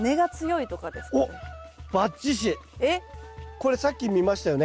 これさっき見ましたよね